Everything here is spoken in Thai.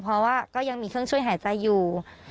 เพราะว่าก็ยังมีเครื่องช่วยหายใจอยู่